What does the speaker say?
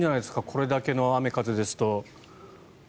これだけの雨風ですと。